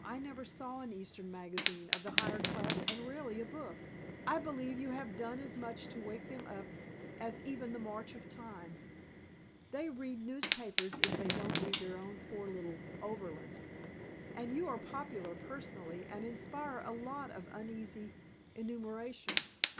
I never saw an Eastern magazine of the higher class and rarely a book. I believe you have done as much to wake them up as even the march of time. They read newspapers if they won't read their own poor little Overland. And you are popular personally and inspire a sort of uneasy emulation.